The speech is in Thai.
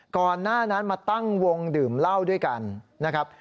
ก่อนหน้านั้นมาตั้งวงดื่มเหล้าด้วยกันนะครับ